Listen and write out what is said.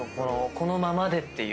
このままでっていう。